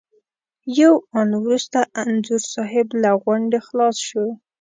یو آن وروسته انځور صاحب له غونډې خلاص شو.